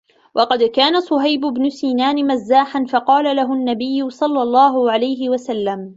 وَقَدْ كَانَ صُهَيْبُ بْنُ سِنَانٍ مَزَّاحًا فَقَالَ لَهُ النَّبِيُّ صَلَّى اللَّهُ عَلَيْهِ وَسَلَّمَ